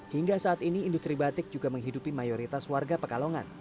hingga saat ini industri batik juga menghidupi mayoritas warga pekalongan